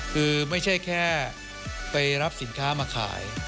คือไม่ใช่แค่ไปรับสินค้ามาขาย